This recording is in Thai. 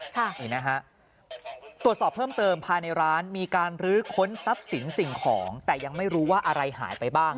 ค่ะนี่นะฮะตรวจสอบเพิ่มเติมภายในร้านมีการลื้อค้นทรัพย์สินสิ่งของแต่ยังไม่รู้ว่าอะไรหายไปบ้าง